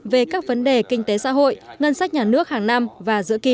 về các vấn đề kinh tế xã hội ngân sách nhà nước hàng năm và giữa kỳ